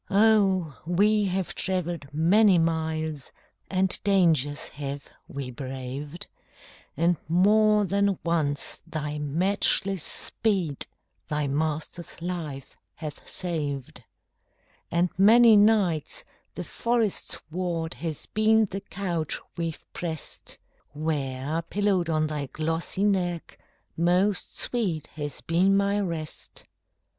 Oh! we have travelled many miles, And dangers have we braved; And more than once thy matchless speed Thy master's life hath saved; And many nights the forest sward Has been the couch we've pressed, Where, pillowed on thy glossy neck, Most sweet has been my rest.